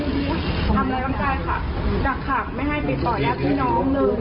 ทำอะไรต้องการขับดักขับไม่ให้ติดต่อแยกที่น้อง